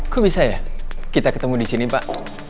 kok bisa ya kita ketemu di sini pak